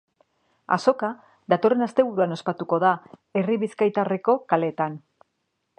Azoka datorren asteburuan ospatuko da herri bizkaitarreko kaleetan.